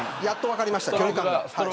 やっと分かりました距離感が。